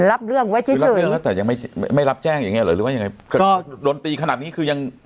รับเรื่องไว้แต่ยังไม่รับแจ้งอย่างนี้หรือว่าอย่างไรโดนตีขนาดนี้คือยัง